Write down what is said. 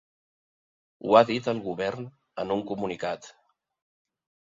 Ho ha dit el govern en un comunicat.